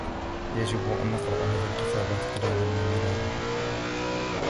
يجب أن نقرأ هذا الكتاب تكرارا و مرارا.